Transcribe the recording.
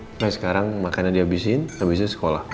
oke nah sekarang makannya dihabisin habisnya sekolah